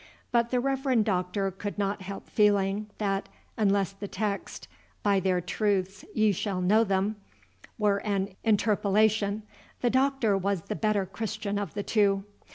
But the Reverend Doctor could not help feeling, that, unless the text, "By their fruits ye shall know them," were an interpolation, the Doctor was the better Christian of the two.